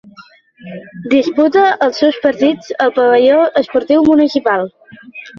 Disputa els seus partits al Pavelló Esportiu Municipal.